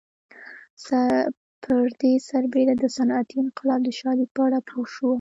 پر دې سربېره د صنعتي انقلاب د شالید په اړه پوه شو